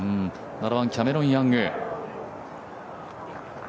７番、キャメロン・ヤング。